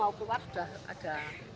gitu apa tadi